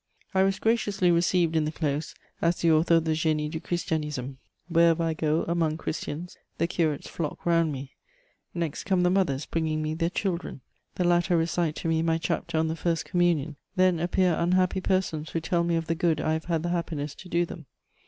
I was graciously received in the close as the author of the Génie du Christianisme: wherever I go, among Christians, the curates flock round me; next come the mothers bringing me their children: the latter recite to me my chapter on the First Communion. Then appear unhappy persons who tell me of the good I have had the happiness to do them.